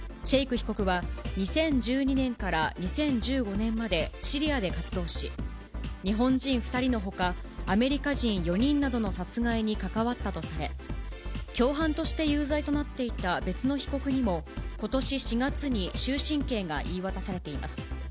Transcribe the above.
シェイク被告は２０１２年から２０１５年までシリアで活動し、日本人２人のほか、アメリカ人４人などの殺害に関わったとされ、共犯として有罪となっていた別の被告にもことし４月に終身刑が言い渡されています。